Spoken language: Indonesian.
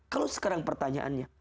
kalau sekarang pertanyaannya